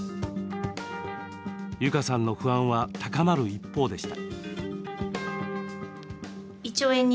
悠加さんの不安は高まる一方でした。